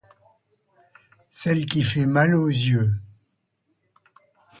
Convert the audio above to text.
celle qui fait mal aux yeux.